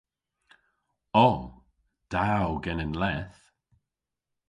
O. Da o genen leth.